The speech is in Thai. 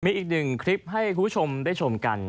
มีอีกหนึ่งคลิปให้คุณผู้ชมได้ชมกัน